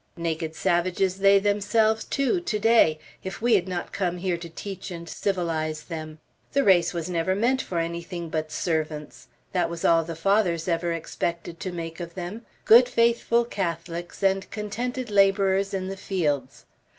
Naked savages they themselves too, to day, if we had not come here to teach and civilize them. The race was never meant for anything but servants. That was all the Fathers ever expected to make of them, good, faithful Catholics, and contented laborers in the fields.